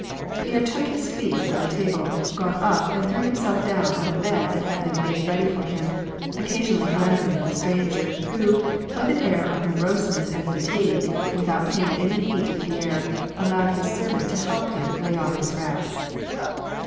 Pierre took his feet from the table, got up and threw him self down on the bed that had been made ready for him, occasionally glancing at the stranger, who, with an air of moroseness and fatigue, without paying any heed to Pierre, allowed his servant to help him lay off his wraps.